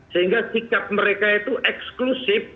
sehingga sikap mereka itu eksklusif